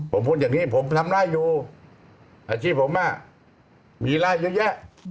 ผมพูดอย่างนี้ผมทำได้อยู่อาชีพผมมีร่างเยอะแยะ